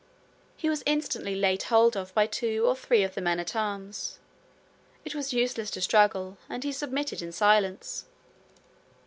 He was instantly laid Hold of by two or three of the men at arms. It was useless to struggle, and he submitted in silence.